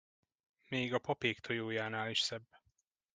Még a papék tojójánál is szebb!